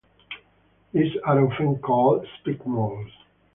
These are often called spike mauls.